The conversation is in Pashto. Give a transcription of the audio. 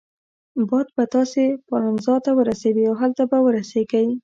باد به تاسي پالنزا ته ورسوي او هلته به ورسیږئ.